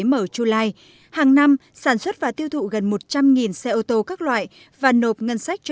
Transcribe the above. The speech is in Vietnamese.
mở chu lai hàng năm sản xuất và tiêu thụ gần một trăm linh xe ô tô các loại và nộp ngân sách cho